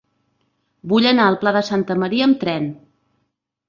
Vull anar al Pla de Santa Maria amb tren.